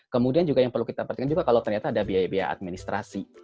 kemudian juga yang perlu kita perhatikan juga kalau ternyata ada biaya biaya administrasi